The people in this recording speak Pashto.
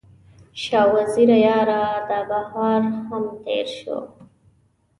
شاه وزیره یاره، دا بهار هم تیر شو